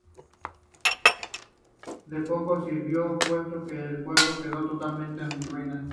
De poco sirvió, puesto que el pueblo quedó totalmente en ruinas.